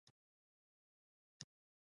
د انصاف لپاره وجدان اړین دی